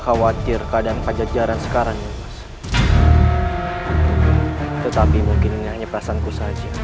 khawatir keadaan pajajaran sekarang nih mas